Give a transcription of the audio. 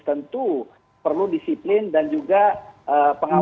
tentu perlu disiplin dan juga pengawasan